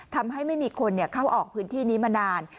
ทำให้ไม่มีคนเข้าออกพื้นที่นี้มานาน